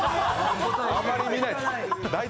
あまり見ない。